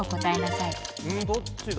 んどっちだ？